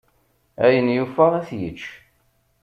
Ayen yufa ad t-yečč.